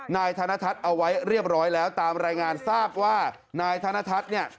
นายธนทัศน์เอาไว้เรียบร้อยแล้วตามรายงานทราบว่านายธนทัศน์เนี่ย